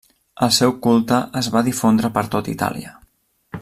El seu culte es va difondre per tot Itàlia.